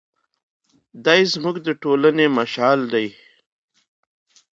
دی زموږ د ټولنې مشعل دی.